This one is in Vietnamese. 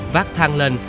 vác thang vào tầng hai